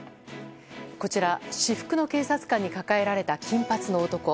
こちら、私服の警察官に抱えられた金髪の男。